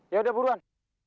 ya udah buruan